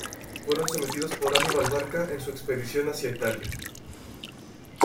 Fueron sometidos por Aníbal Barca en su expedición hacia Italia.